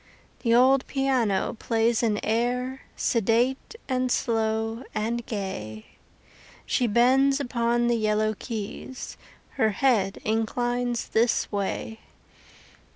The old piano plays an air, Sedate and slow and gay; She bends upon the yellow keys, Her head inclines this way.